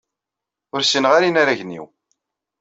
Ur ssineɣ ara inaragen-inu.